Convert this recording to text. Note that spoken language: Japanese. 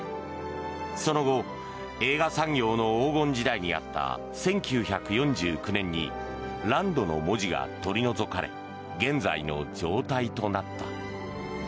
その後、映画産業の黄金時代にあった１９４９年に「ＬＡＮＤ」の文字が取り除かれ現在の状態となった。